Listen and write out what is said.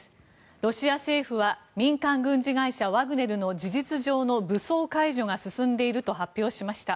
ロシア政府は民間軍事会社ワグネルの事実上の武装解除が進んでいると発表しました。